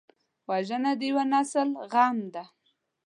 وژنه د یو نسل غم دی